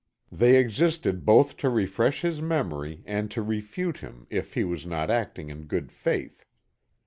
They existed both to refresh his memory and to refute him if he was not acting in good faith.